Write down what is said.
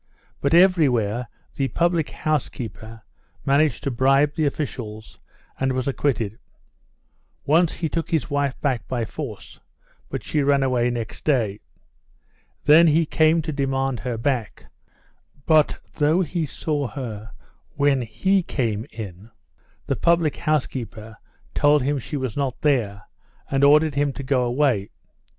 But everywhere the public house keeper managed to bribe the officials, and was acquitted. Once, he took his wife back by force, but she ran away next day. Then he came to demand her back, but, though he saw her when he came in, the public house keeper told him she was not there, and ordered him to go away.